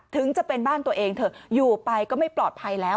ถึงจะเป็นบ้านตัวเองเถอะอยู่ไปก็ไม่ปลอดภัยแล้ว